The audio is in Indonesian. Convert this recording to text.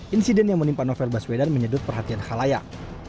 insiden yang menimpa novel baswedan menyedot perhatian halayak